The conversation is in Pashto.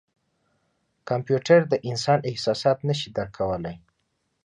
کمپیوټر د انسان احساسات نه شي درک کولای.